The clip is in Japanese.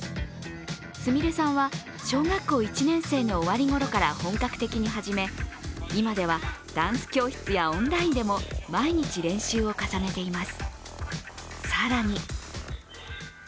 菫さんは、小学校１年生の終わりごろから本格的に始め、今ではダンス教室やオンラインでも毎日練習を重ねています。